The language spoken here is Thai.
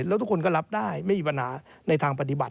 แล้วทุกคนก็รับได้ไม่มีปัญหาในทางปฏิบัติ